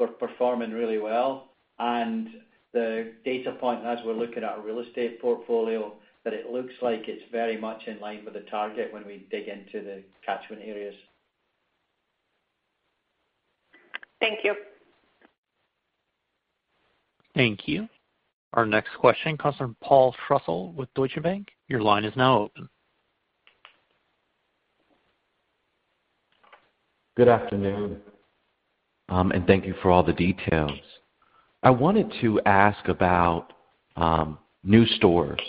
we're performing really well and the data point as we're looking at our real estate portfolio, that it looks like it's very much in line with the target when we dig into the catchment areas. Thank you. Thank you. Our next question comes from Paul Trussell with Deutsche Bank. Your line is now open. Good afternoon. Thank you for all the details. I wanted to ask about new stores.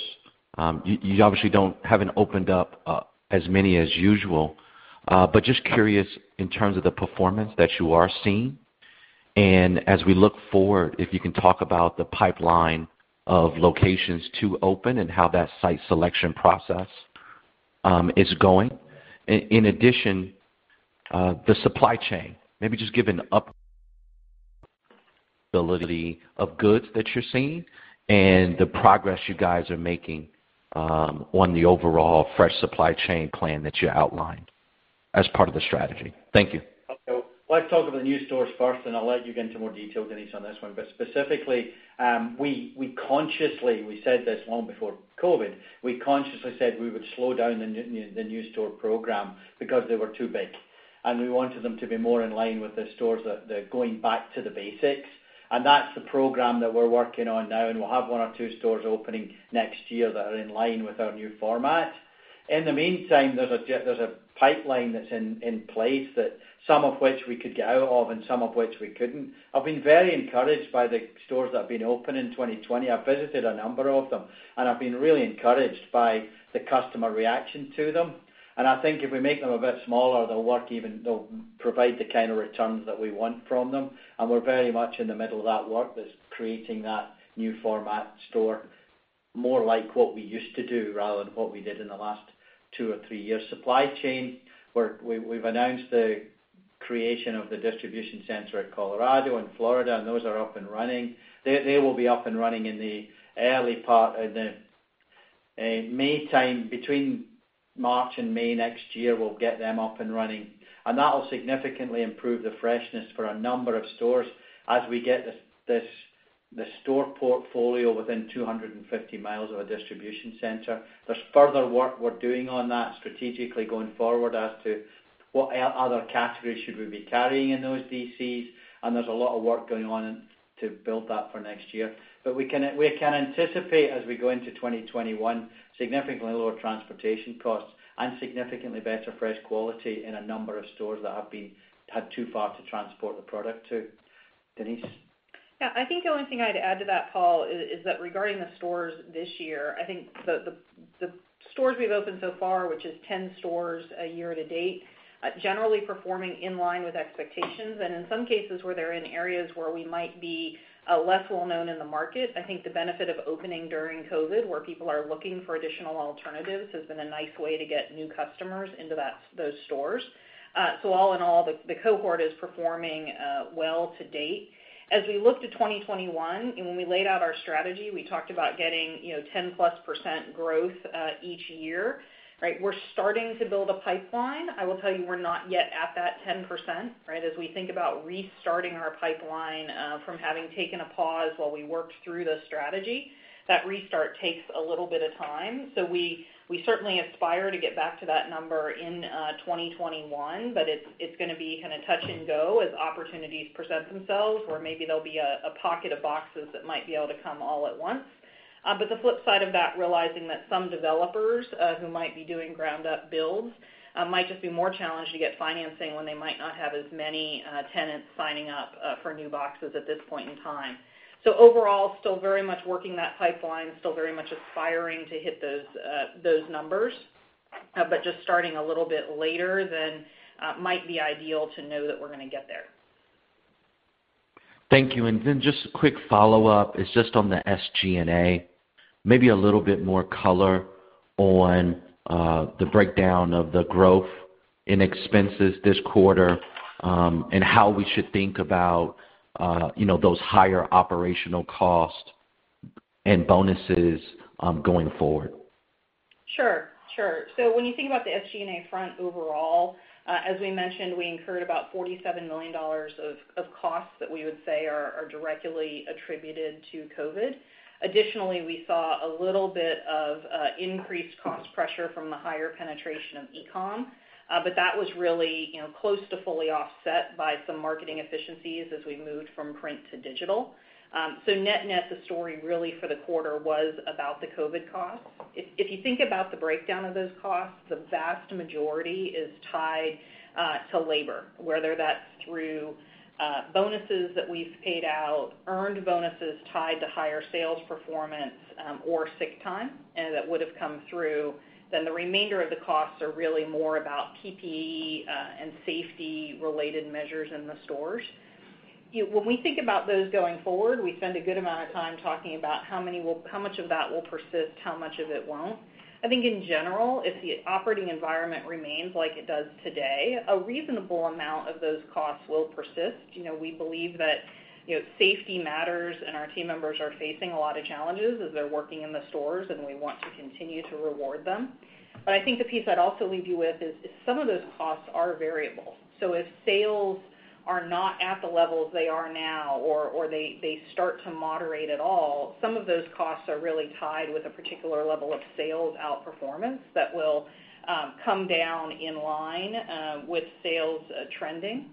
You obviously haven't opened up as many as usual. Just curious in terms of the performance that you are seeing, and as we look forward, if you can talk about the pipeline of locations to open and how that site selection process is going. In addition, the supply chain, maybe just give an update on the availability of goods that you're seeing and the progress you guys are making on the overall fresh supply chain plan that you outlined as part of the strategy. Thank you. Let's talk about the new stores first, and I'll let you get into more detail, Denise, on this one. Specifically, we consciously, we said this long before COVID, we consciously said we would slow down the new store program because they were too big, and we wanted them to be more in line with the stores that are going back to the basics. That's the program that we're working on now, and we'll have one or two stores opening next year that are in line with our new format. In the meantime, there's a pipeline that's in place that some of which we could get out of and some of which we couldn't. I've been very encouraged by the stores that have been open in 2020. I've visited a number of them, and I've been really encouraged by the customer reaction to them. I think if we make them a bit smaller, they'll provide the kind of returns that we want from them. We're very much in the middle of that work that's creating that new format store, more like what we used to do rather than what we did in the last two or three years. Supply chain, we've announced the creation of the distribution center at Colorado and Florida, and those are up and running. They will be up and running in the early part, in May time. Between March and May next year, we'll get them up and running. That will significantly improve the freshness for a number of stores as we get the store portfolio within 250 mi of a distribution center. There's further work we're doing on that strategically going forward as to what other categories should we be carrying in those DCs, and there's a lot of work going on to build that for next year. We can anticipate as we go into 2021, significantly lower transportation costs and significantly better fresh quality in a number of stores that had too far to transport the product to. Denise. Yeah, I think the only thing I'd add to that, Paul, is that regarding the stores this year, I think the stores we've opened so far, which is 10 stores a year-to-date, are generally performing in line with expectations. In some cases, where they're in areas where we might be less well-known in the market, I think the benefit of opening during COVID, where people are looking for additional alternatives, has been a nice way to get new customers into those stores. All in all, the cohort is performing well to date. As we look to 2021 and when we laid out our strategy, we talked about getting 10%+ growth each year, right? We're starting to build a pipeline. I will tell you we're not yet at that 10%, right? We think about restarting our pipeline from having taken a pause while we worked through the strategy, that restart takes a little bit of time. We certainly aspire to get back to that number in 2021, but it's going to be kind of touch and go as opportunities present themselves, where maybe there'll be a pocket of boxes that might be able to come all at once. The flip side of that, realizing that some developers who might be doing ground-up builds might just be more challenged to get financing when they might not have as many tenants signing up for new boxes at this point in time. Overall, still very much working that pipeline, still very much aspiring to hit those numbers but just starting a little bit later than might be ideal to know that we're going to get there. Thank you. Then just a quick follow-up is just on the SG&A. Maybe a little bit more color on the breakdown of the growth in expenses this quarter, and how we should think about those higher operational costs and bonuses going forward. Sure. When you think about the SG&A front overall, as we mentioned, we incurred about $47 million of costs that we would say are directly attributed to COVID. Additionally, we saw a little bit of increased cost pressure from the higher penetration of e-com, but that was really close to fully offset by some marketing efficiencies as we moved from print to digital. Net-net, the story really for the quarter was about the COVID costs. If you think about the breakdown of those costs, the vast majority is tied to labor, whether that's through bonuses that we've paid out, earned bonuses tied to higher sales performance, or sick time that would've come through. The remainder of the costs are really more about PPE and safety related measures in the stores. When we think about those going forward, we spend a good amount of time talking about how much of that will persist, how much of it won't. I think in general, if the operating environment remains like it does today, a reasonable amount of those costs will persist. We believe that safety matters and our team members are facing a lot of challenges as they're working in the stores, and we want to continue to reward them. I think the piece I'd also leave you with is some of those costs are variable. If sales are not at the levels they are now or they start to moderate at all, some of those costs are really tied with a particular level of sales outperformance that will come down in line with sales trending.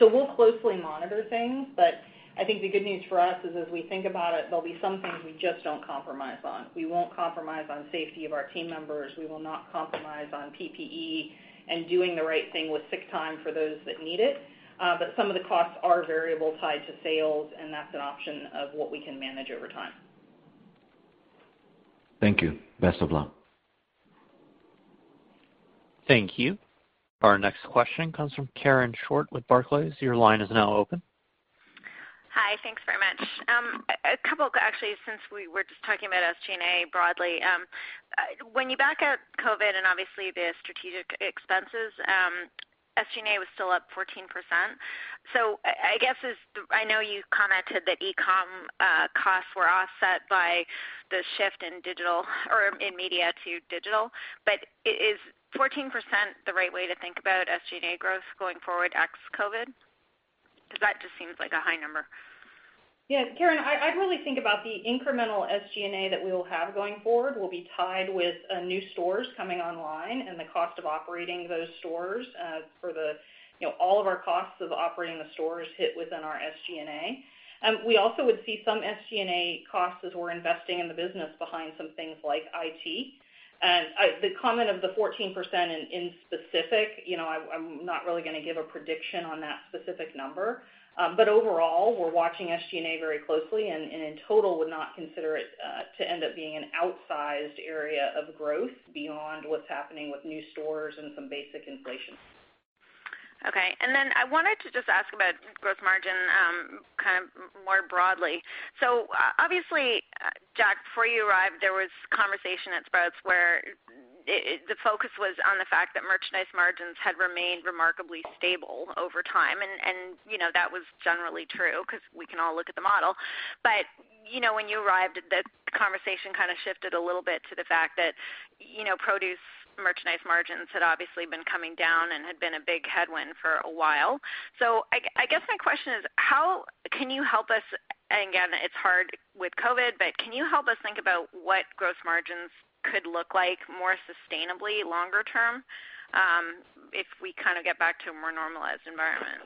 We'll closely monitor things, but I think the good news for us is, as we think about it, there'll be some things we just don't compromise on. We won't compromise on safety of our team members. We will not compromise on PPE and doing the right thing with sick time for those that need it. Some of the costs are variable tied to sales, and that's an option of what we can manage over time. Thank you. Best of luck. Thank you. Our next question comes from Karen Short with Barclays. Your line is now open. Hi. Thanks very much. A couple, actually, since we were just talking about SG&A broadly. When you back out COVID and obviously the strategic expenses, SG&A was still up 14%. I know you commented that e-com costs were offset by the shift in media to digital, but is 14% the right way to think about SG&A growth going forward ex COVID? That just seems like a high number. Yeah, Karen, I'd really think about the incremental SG&A that we will have going forward will be tied with new stores coming online and the cost of operating those stores. All of our costs of operating the stores hit within our SG&A. We also would see some SG&A costs as we're investing in the business behind some things like IT. The comment of the 14% in specific, I'm not really going to give a prediction on that specific number. Overall, we're watching SG&A very closely, and in total would not consider it to end up being an outsized area of growth beyond what's happening with new stores and some basic inflation. Okay. I wanted to just ask about gross margin kind of more broadly. Obviously, Jack, before you arrived, there was conversation at Sprouts where the focus was on the fact that merchandise margins had remained remarkably stable over time, and that was generally true because we can all look at the model. When you arrived, the conversation kind of shifted a little bit to the fact that produce merchandise margins had obviously been coming down and had been a big headwind for a while. I guess my question is, can you help us, and again, it's hard with COVID, but can you help us think about what gross margins could look like more sustainably longer term if we kind of get back to a more normalized environment?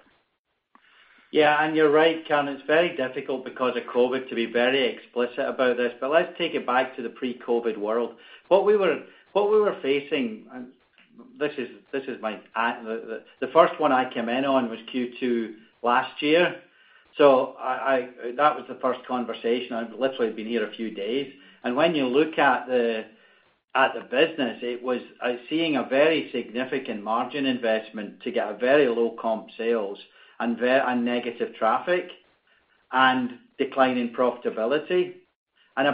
You're right, Karen, it's very difficult because of COVID to be very explicit about this. Let's take it back to the pre-COVID world. What we were facing, the first one I came in on was Q2 last year. That was the first conversation. I'd literally been here a few days. When you look at the business, it was seeing a very significant margin investment to get a very low comp sales and negative traffic and declining profitability. One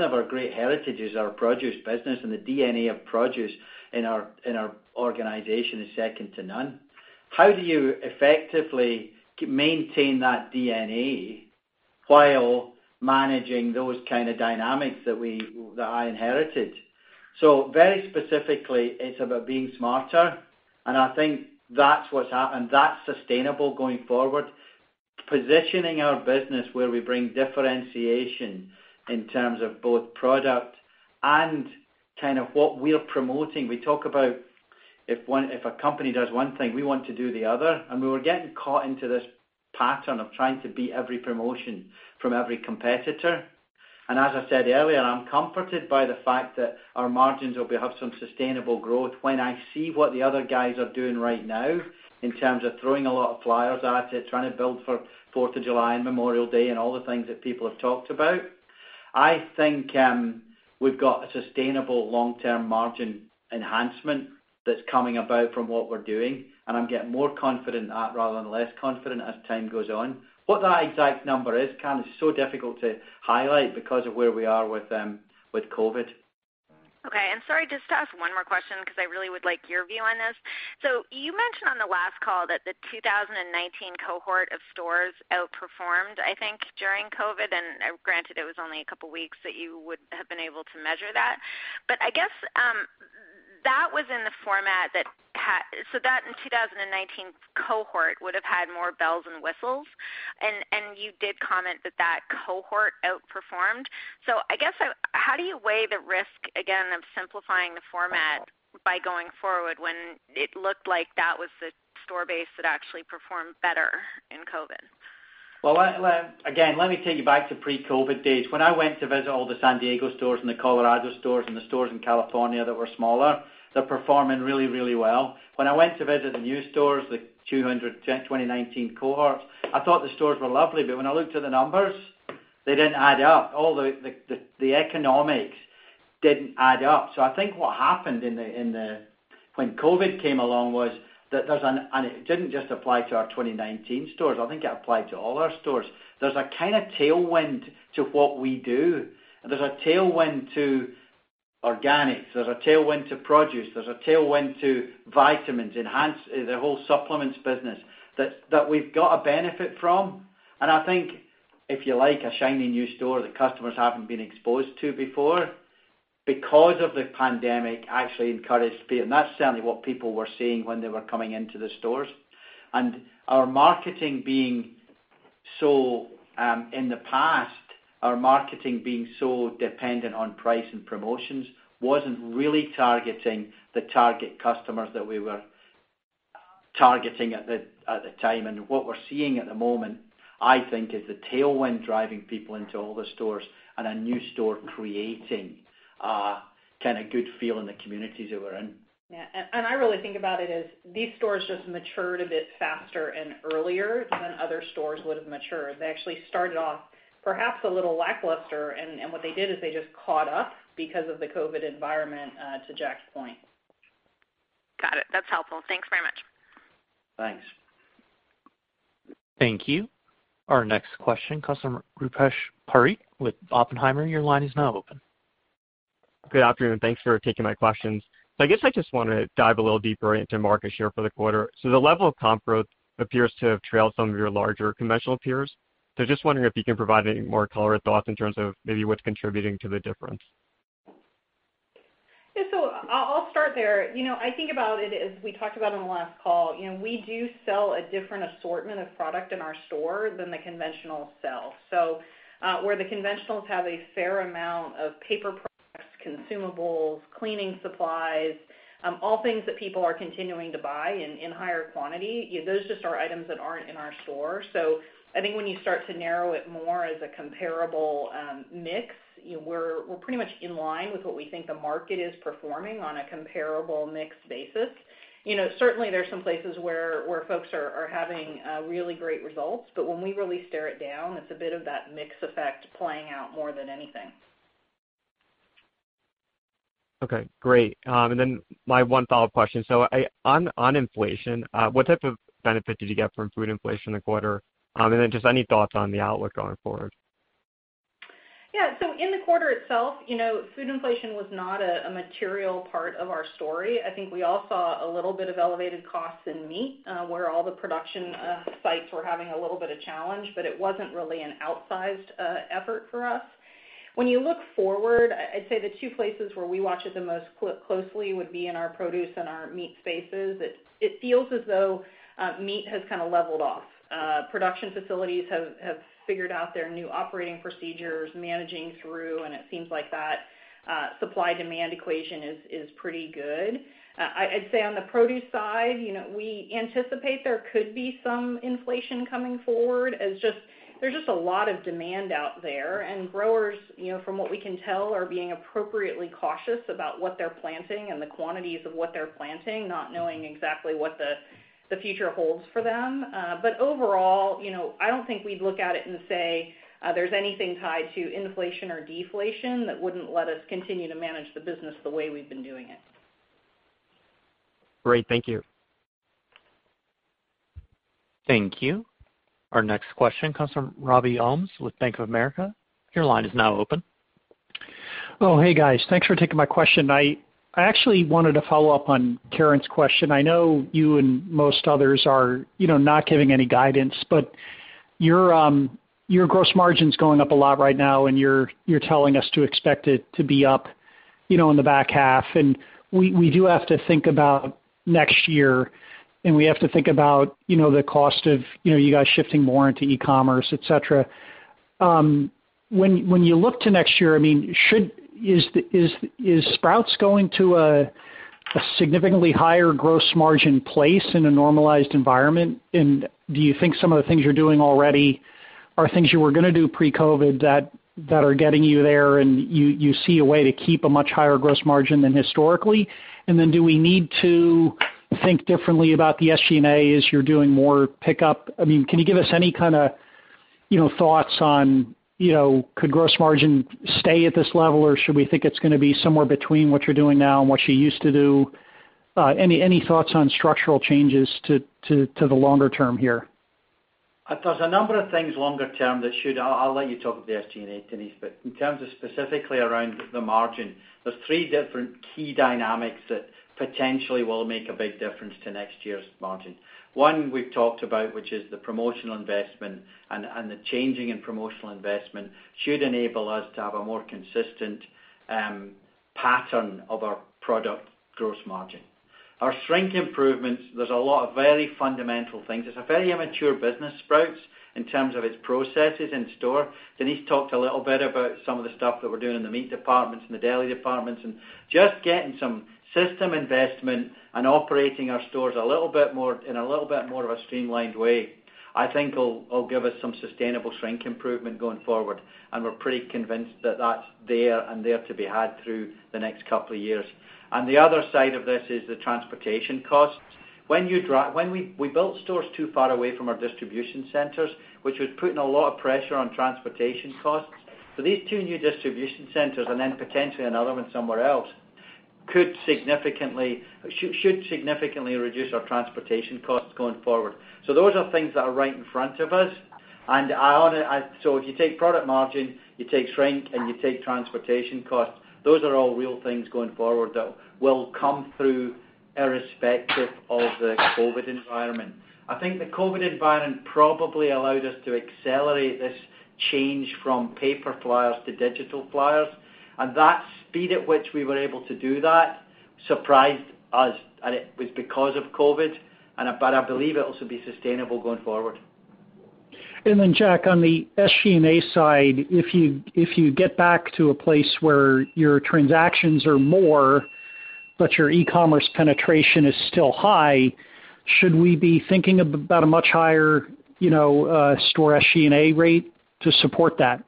of our great heritages, our produce business and the DNA of produce in our organization is second to none. How do you effectively maintain that DNA while managing those kind of dynamics that I inherited? Very specifically, it's about being smarter, and I think that's sustainable going forward. Positioning our business where we bring differentiation in terms of both product and kind of what we're promoting. We talk about if a company does one thing, we want to do the other, and we were getting caught into this pattern of trying to beat every promotion from every competitor. As I said earlier, I'm comforted by the fact that our margins will have some sustainable growth when I see what the other guys are doing right now in terms of throwing a lot of flyers at it, trying to build for 4th of July and Memorial Day and all the things that people have talked about. I think we've got a sustainable long-term margin enhancement that's coming about from what we're doing, and I'm getting more confident at rather than less confident as time goes on. What that exact number is, Karen, is so difficult to highlight because of where we are with COVID. Okay. Sorry, just to ask one more question because I really would like your view on this. You mentioned on the last call that the 2019 cohort of stores outperformed, I think, during COVID. Granted, it was only a couple of weeks that you would have been able to measure that. I guess, that in 2019 cohort would have had more bells and whistles, and you did comment that that cohort outperformed. I guess, how do you weigh the risk, again, of simplifying the format by going forward when it looked like that was the store base that actually performed better in COVID? Well, again, let me take you back to pre-COVID days. When I went to visit all the San Diego stores and the Colorado stores and the stores in California that were smaller, they're performing really well. When I went to visit the new stores, the 2019 cohort, I thought the stores were lovely, but when I looked at the numbers, they didn't add up. All the economics didn't add up. I think what happened when COVID came along was that it didn't just apply to our 2019 stores, I think it applied to all our stores. There's a kind of tailwind to what we do, and there's a tailwind to organics, there's a tailwind to produce, there's a tailwind to vitamins, the whole supplements business that we've got a benefit from. I think if you like a shiny new store that customers haven't been exposed to before, because of the pandemic, I actually encourage people, and that's certainly what people were saying when they were coming into the stores. In the past, our marketing being so dependent on price and promotions wasn't really targeting the target customers that we were targeting at the time. What we're seeing at the moment, I think, is the tailwind driving people into older stores and a new store creating a kind of good feel in the communities that we're in. Yeah. I really think about it as these stores just matured a bit faster and earlier than other stores would've matured. They actually started off perhaps a little lackluster, and what they did is they just caught up because of the COVID environment, to Jack's point. Got it. That's helpful. Thanks very much. Thanks. Thank you. Our next question comes from Rupesh Parikh with Oppenheimer. Your line is now open. Good afternoon. Thanks for taking my questions. I guess I just want to dive a little deeper into market share for the quarter. The level of comp growth appears to have trailed some of your larger conventional peers. Just wondering if you can provide any more color or thoughts in terms of maybe what's contributing to the difference. Yeah. I'll start there. I think about it as we talked about on the last call. We do sell a different assortment of product in our store than the conventional sell. Where the conventionals have a fair amount of paper products, consumables, cleaning supplies, all things that people are continuing to buy in higher quantity, those just are items that aren't in our store. I think when you start to narrow it more as a comparable mix, we're pretty much in line with what we think the market is performing on a comparable mixed basis. Certainly, there's some places where folks are having really great results, but when we really stare it down, it's a bit of that mix effect playing out more than anything. Okay. Great. My one follow-up question. On inflation, what type of benefit did you get from food inflation in the quarter? Just any thoughts on the outlook going forward. Yeah. In the quarter itself, food inflation was not a material part of our story. I think we all saw a little bit of elevated costs in meat, where all the production sites were having a little bit of challenge, but it wasn't really an outsized effort for us. When you look forward, I'd say the two places where we watch it the most closely would be in our produce and our meat spaces. It feels as though meat has kind of leveled off. Production facilities have figured out their new operating procedures, managing through, and it seems like that supply-demand equation is pretty good. I'd say on the produce side, we anticipate there could be some inflation coming forward. There's just a lot of demand out there, and growers, from what we can tell, are being appropriately cautious about what they're planting and the quantities of what they're planting, not knowing exactly what the future holds for them. Overall, I don't think we'd look at it and say there's anything tied to inflation or deflation that wouldn't let us continue to manage the business the way we've been doing it. Great. Thank you. Thank you. Our next question comes from Robbie Ohmes with Bank of America. Your line is now open. Hey, guys. Thanks for taking my question. I actually wanted to follow up on Karen's question. I know you and most others are not giving any guidance, but your gross margin's going up a lot right now, and you're telling us to expect it to be up in the back half. We do have to think about next year, and we have to think about the cost of you guys shifting more into e-commerce, et cetera. When you look to next year, is Sprouts going to a significantly higher gross margin place in a normalized environment? Do you think some of the things you're doing already are things you were going to do pre-COVID that are getting you there, and you see a way to keep a much higher gross margin than historically? Do we need to think differently about the SG&A as you're doing more pickup? Can you give us any thoughts on could gross margin stay at this level, or should we think it's going to be somewhere between what you're doing now and what you used to do? Any thoughts on structural changes to the longer term here? There's a number of things longer term. I'll let you talk of the SG&A, Denise, but in terms of specifically around the margin, there's three different key dynamics that potentially will make a big difference to next year's margin. One we've talked about, which is the promotional investment, and the changing in promotional investment should enable us to have a more consistent pattern of our product gross margin. Our shrink improvements, there's a lot of very fundamental things. It's a very immature business, Sprouts, in terms of its processes in store. Denise talked a little bit about some of the stuff that we're doing in the meat departments and the deli departments, and just getting some system investment and operating our stores in a little bit more of a streamlined way, I think will give us some sustainable shrink improvement going forward. We're pretty convinced that's there and there to be had through the next couple of years. The other side of this is the transportation costs. We built stores too far away from our distribution centers, which was putting a lot of pressure on transportation costs. These two new distribution centers, and then potentially another one somewhere else, should significantly reduce our transportation costs going forward. Those are things that are right in front of us. If you take product margin, you take shrink, and you take transportation costs, those are all real things going forward that will come through irrespective of the COVID environment. I think the COVID environment probably allowed us to accelerate this change from paper flyers to digital flyers. That speed at which we were able to do that surprised us, and it was because of COVID, but I believe it'll also be sustainable going forward. Jack, on the SG&A side, if you get back to a place where your transactions are more, but your e-commerce penetration is still high, should we be thinking about a much higher store SG&A rate to support that?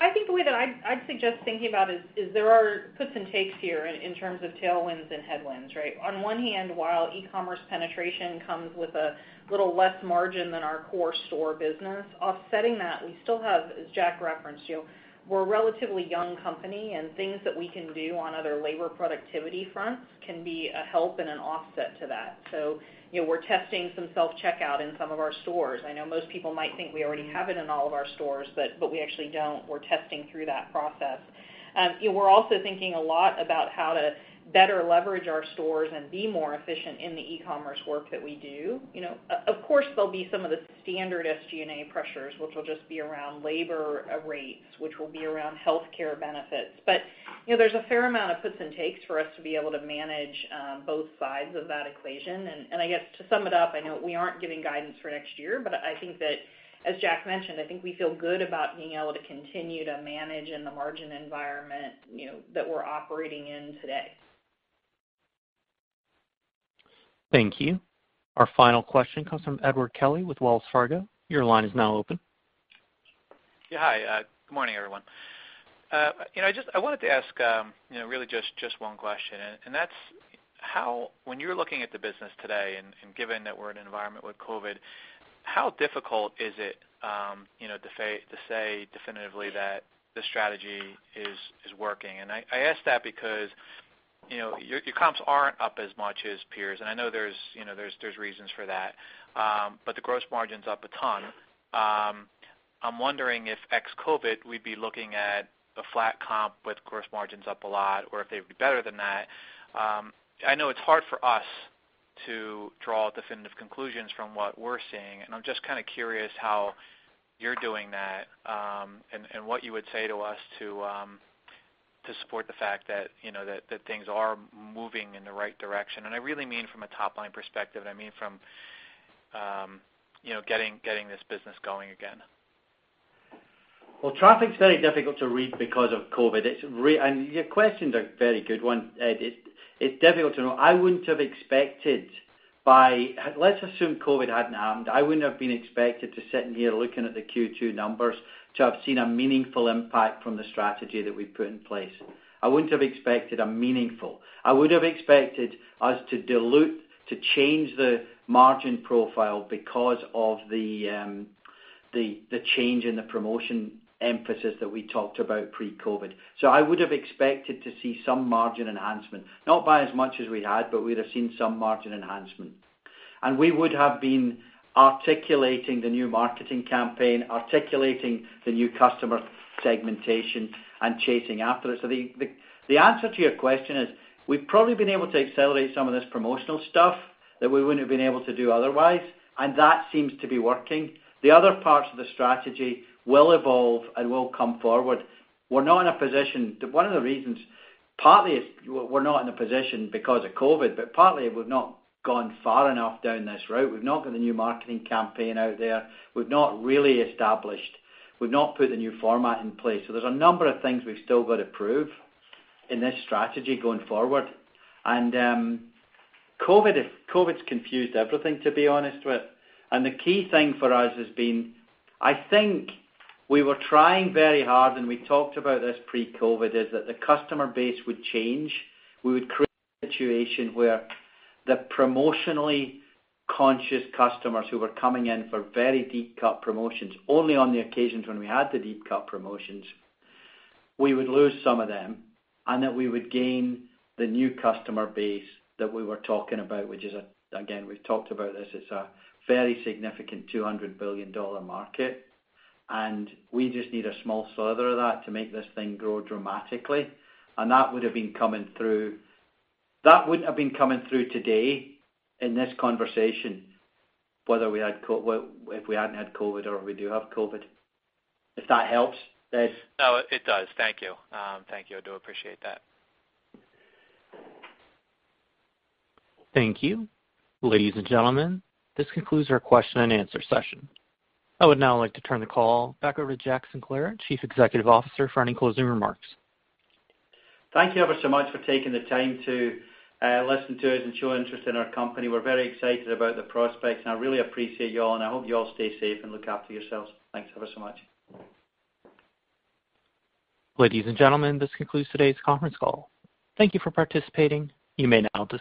I think the way that I'd suggest thinking about is there are puts and takes here in terms of tailwinds and headwinds, right? On one hand, while e-commerce penetration comes with a little less margin than our core store business, offsetting that, we still have, as Jack referenced you, we're a relatively young company. Things that we can do on other labor productivity fronts can be a help and an offset to that. We're testing some self-checkout in some of our stores. I know most people might think we already have it in all of our stores. We actually don't. We're testing through that process. We're also thinking a lot about how to better leverage our stores and be more efficient in the e-commerce work that we do. Of course, there'll be some of the standard SG&A pressures, which will just be around labor rates, which will be around healthcare benefits. There's a fair amount of puts and takes for us to be able to manage both sides of that equation. I guess to sum it up, I know we aren't giving guidance for next year, I think that, as Jack mentioned, I think we feel good about being able to continue to manage in the margin environment that we're operating in today. Thank you. Our final question comes from Edward Kelly with Wells Fargo. Your line is now open. Yeah, hi. Good morning, everyone. I wanted to ask really just one question, and that's when you're looking at the business today, and given that we're in an environment with COVID, how difficult is it to say definitively that the strategy is working? I ask that because your comps aren't up as much as peers, and I know there's reasons for that, but the gross margin's up a ton. I'm wondering if ex-COVID, we'd be looking at a flat comp with gross margins up a lot, or if they would be better than that. I know it's hard for us to draw definitive conclusions from what we're seeing, and I'm just kind of curious how you're doing that, and what you would say to us to support the fact that things are moving in the right direction. I really mean from a top-line perspective. I mean from getting this business going again. Well, traffic's very difficult to read because of COVID. Your question's a very good one, Ed. It's difficult to know. Let's assume COVID hadn't happened. I wouldn't have been expected to sit in here looking at the Q2 numbers to have seen a meaningful impact from the strategy that we put in place. I would have expected us to dilute, to change the margin profile because of the change in the promotion emphasis that we talked about pre-COVID. I would have expected to see some margin enhancement, not by as much as we had, but we would've seen some margin enhancement. We would have been articulating the new marketing campaign, articulating the new customer segmentation, and chasing after it. The answer to your question is, we've probably been able to accelerate some of this promotional stuff that we wouldn't have been able to do otherwise, and that seems to be working. The other parts of the strategy will evolve and will come forward. One of the reasons, partly is we're not in a position because of COVID, but partly we've not gone far enough down this route. We've not got a new marketing campaign out there. We've not put the new format in place. There's a number of things we've still got to prove in this strategy going forward. COVID's confused everything, to be honest with. The key thing for us has been, I think we were trying very hard, and we talked about this pre-COVID, is that the customer base would change. We would create a situation where the promotionally conscious customers who were coming in for very deep cut promotions, only on the occasions when we had the deep cut promotions, we would lose some of them, and that we would gain the new customer base that we were talking about, which is, again, we've talked about this, it's a very significant $200 billion market. We just need a small sliver of that to make this thing grow dramatically. That would have been coming through today in this conversation, if we hadn't had COVID or we do have COVID. If that helps, Ed. No, it does. Thank you. I do appreciate that. Thank you. Ladies and gentlemen, this concludes our question and answer session. I would now like to turn the call back over to Jack Sinclair, Chief Executive Officer, for any closing remarks. Thank you ever so much for taking the time to listen to us and show interest in our company. We're very excited about the prospects, and I really appreciate you all, and I hope you all stay safe and look after yourselves. Thanks ever so much. Ladies and gentlemen, this concludes today's conference call. Thank you for participating. You may now disconnect.